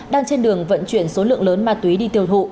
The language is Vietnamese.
đang trên đường vận chuyển số lượng lớn ma túy đi tiêu thụ